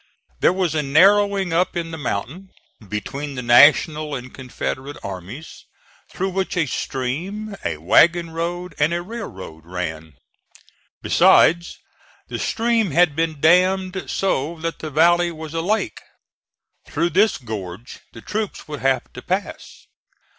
There was a narrowing up in the mountain, between the National and Confederate armies, through which a stream, a wagon road and a railroad ran. Besides, the stream had been dammed so that the valley was a lake. Through this gorge the troops would have to pass.